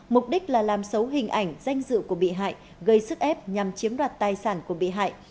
mục đích là làm xấu hình ảnh danh dự của bị hại gây sức ép nhằm chiếm đoạt tài sản của bị hại